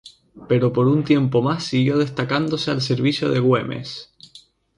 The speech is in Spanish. Pero por un tiempo más siguió destacándose al servicio de Güemes.